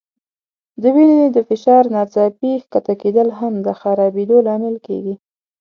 د وینې د فشار ناڅاپي ښکته کېدل هم د خرابېدو لامل کېږي.